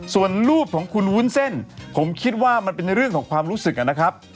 ส่วนรูปของคุณวุ้นเส้นผมคิดว่ามันเป็นเรื่องของความรู้สึกนะครับ